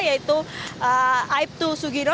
yaitu aibtu sugino